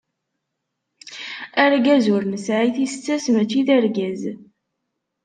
Argaz ur nesɛi tissas, mačči d argaz.